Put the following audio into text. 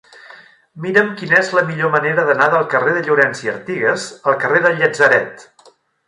Mira'm quina és la millor manera d'anar del carrer de Llorens i Artigas al carrer del Llatzeret.